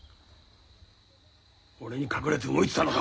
俺に隠れて動いてたのか。